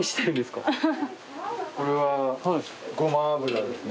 これはごま油ですね。